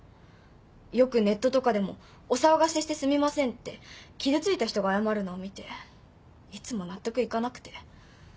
よくネットとかでも「お騒がせしてすみません」って傷ついた人が謝るのを見ていつも納得いかなくて。